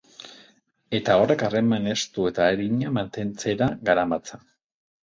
Eta horrek harreman estu eta arina mantentzera garamatza.